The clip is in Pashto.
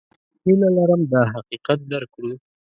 هیله لرم دا حقیقت درک کړو.